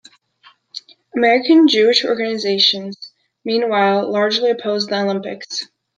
American Jewish organizations, meanwhile, largely opposed the Olympics.